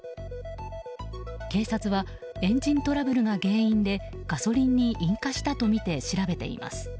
警察はエンジントラブルが原因でガソリンに引火したとみて調べています。